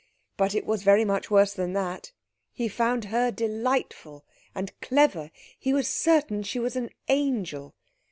But it was very much worse than that. He found her delightful, and clever; he was certain she was an angel.